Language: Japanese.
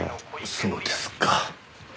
そうですか。